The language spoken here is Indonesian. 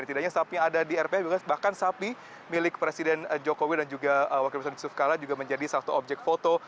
tidak hanya sapi yang ada di rph bahkan sapi milik presiden jokowi dan juga wakil presiden yusuf kalla juga menjadi satu objek foto